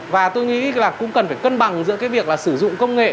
và tôi nghĩ là cũng cần phải cân bằng giữa cái việc là sử dụng công nghệ